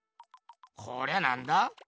こりゃなんだ？